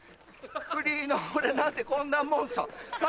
フリーの俺なんてこんなもんさ